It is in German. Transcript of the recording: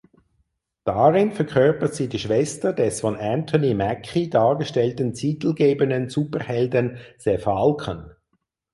Darin verkörpert sie die Schwester des von Anthony Mackie dargestellten titelgebenden Superhelden "The Falcon".